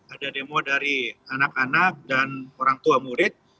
ada demo dari anak anak dan orang tua murid